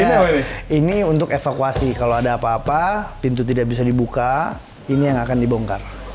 ini untuk evakuasi kalau ada apa apa pintu tidak bisa dibuka ini yang akan dibongkar